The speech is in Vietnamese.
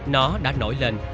nó đã nổi lên